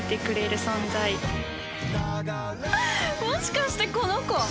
もしかしてこの子？